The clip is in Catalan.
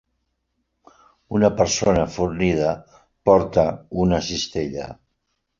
Una persona fornida porta una cistella